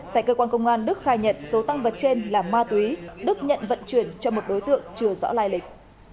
tại cơ quan công an đức khai nhận số tăng vật trên là ma túy đức nhận vận chuyển cho một đối tượng chưa rõ lai lịch